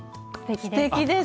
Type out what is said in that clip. すてきです。